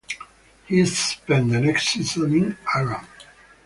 He spent the next season in Iran.